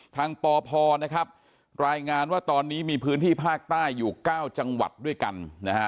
ปพนะครับรายงานว่าตอนนี้มีพื้นที่ภาคใต้อยู่๙จังหวัดด้วยกันนะฮะ